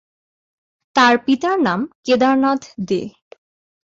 তার পিতার নাম কেদারনাথ দে।